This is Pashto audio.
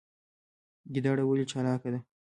ګیدړه ولې چالاکه ده؟